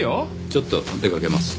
ちょっと出かけます。